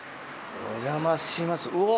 お邪魔しますうわ。